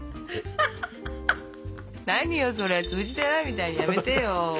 何よそれ通じてないみたいのやめてよ。